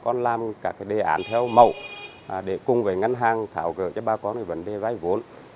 ba con làm các đề án theo mẫu để cùng với ngân hàng thảo gợi cho ba con về vấn đề giáy vốn